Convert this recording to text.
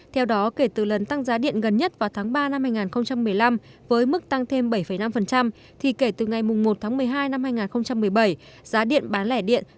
theo đó kể từ lần tăng giá điện gần nhất vào tháng ba năm hai nghìn một mươi năm với mức tăng thêm bảy năm thì kể từ ngày một tháng một mươi hai năm hai nghìn một mươi bảy giá điện bán lẻ điện